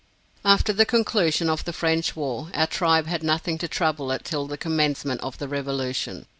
After the conclusion of the French war, our tribe had nothing to trouble it till the commencement of the Revolution.